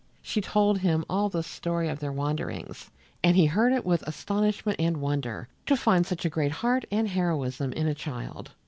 She told him all the story of their wanderings, and he heard it with astonishment and wonder to find such a great heart and heroism in a child.